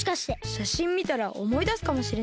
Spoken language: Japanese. しゃしんみたらおもいだすかもしれないし。